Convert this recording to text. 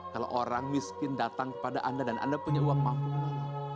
kalau orang miskin datang kepada anda dan anda punya uang mampu